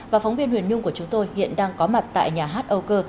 và phóng viên huyền nhung của chúng tôi hiện đang có mặt tại nhà hát âu cơ